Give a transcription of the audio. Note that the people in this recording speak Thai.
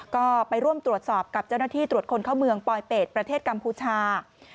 ก็ไปร่วมตรวจสอบกับเจ้าหน้าที่ตรวจคนเข้าเมืองปลอยเป็ดประเทศกัมพูชา